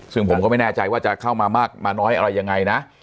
ซึ่งผมก็ไม่แน่ใจว่าจะเข้ามามากมาน้อยอะไรยังไงนะ